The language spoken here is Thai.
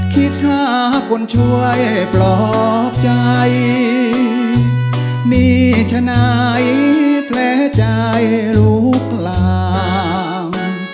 คิดถ้าคนช่วยปลอบใจมีชนายแพร่ใจลูกหลาม